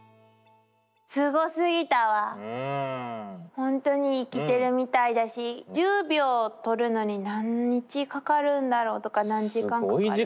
本当に生きてるみたいだし１０秒撮るのに何日かかるんだろうとか何時間かかるんだろうって。